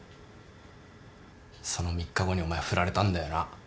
その３日後にお前フラれたんだよな。